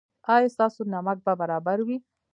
ایا ستاسو نمک به برابر وي؟